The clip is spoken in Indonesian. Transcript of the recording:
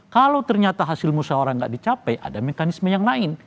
kalau ternyata hasil musyawarah nggak dicapai ada mekanisme yang lain